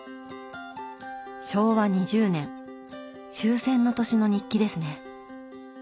昭和２０年終戦の年の日記ですね。